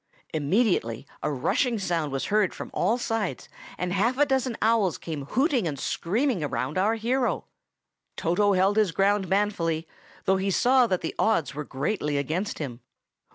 Immediately a rushing sound was heard from all sides, and half a dozen owls came hooting and screaming around our hero. Toto held his ground manfully, though he saw that the odds were greatly against him.